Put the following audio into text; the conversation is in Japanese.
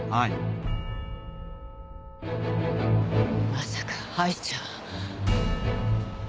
まさか藍ちゃん。